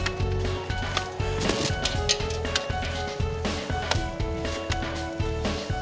udah dateng dahut sihir ke eva